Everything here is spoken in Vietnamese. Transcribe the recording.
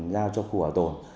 giao cho khu bảo tồn